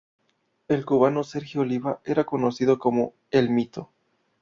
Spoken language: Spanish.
El cubano Sergio Oliva era conocido como "El Mito".